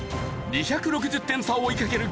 ２６０点差を追いかける